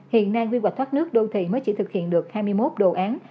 hiện nay quy hoạch thoát nước đô thị mới chỉ thực hiện được hai mươi một đồ án